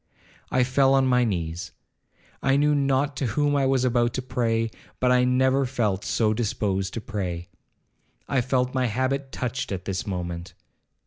I fell on my knees. I knew not to whom I was about to pray, but I never felt so disposed to pray. I felt my habit touched at this moment.